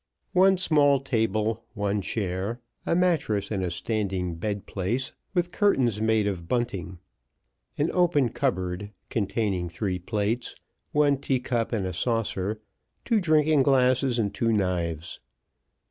One small table, one chair, a mattress in a standing bed place, with curtains made of bunting, an open cupboard, containing three plates, one tea cup and saucer, two drinking glasses, and two knives.